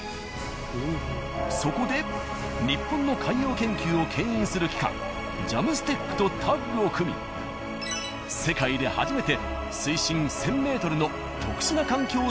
そこで日本の海洋研究を牽引する機関ＪＡＭＳＴＥＣとタッグを組み世界で初めて水深１，０００ｍの特殊な環境を再現した水槽の